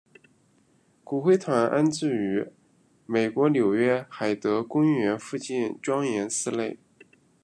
骨灰坛安置于美国纽约海德公园附近庄严寺内。